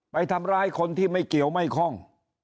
ไปทำร้ายคนที่ไม่เกี่ยวไม่ค่อง